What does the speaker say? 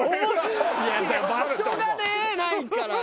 いや場所がねないから。